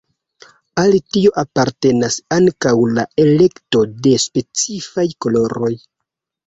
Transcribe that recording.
Al tio apartenas ankaŭ la elekto de specifaj koloroj.